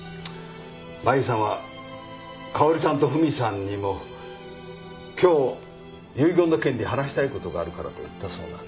マユさんは香織さんとフミさんにも今日遺言の件で話したいことがあるからと言ったそうなんです。